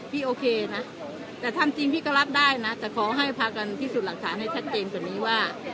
โอเคนะแต่ทำจริงพี่ก็รับได้นะแต่ขอให้พากันพิสูจน์หลักฐานให้ชัดเจนกว่านี้ว่า